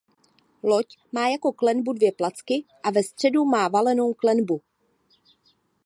Loď má jako klenbu dvě placky a ve středu má valenou klenbu.